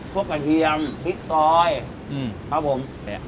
กระเทียมพริกซอยครับผม